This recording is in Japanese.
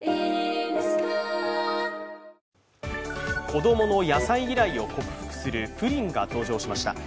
子供の野菜嫌いを克服するプリンが登場しました。